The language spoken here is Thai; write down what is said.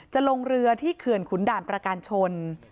ลงเรือที่เขื่อนขุนด่านประการชน